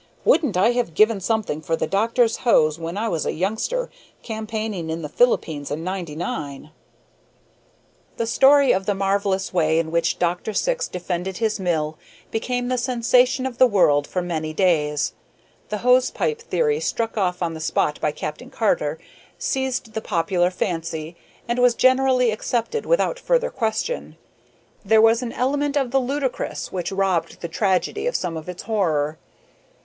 Wouldn't I have given something for the doctor's hose when I was a youngster campaigning in the Philippines in '99?" The story of the marvellous way in which Dr. Syx defended his mill became the sensation of the world for many days. The hose pipe theory, struck off on the spot by Captain Carter, seized the popular fancy, and was generally accepted without further question. There was an element of the ludicrous which robbed the tragedy of some of its horror.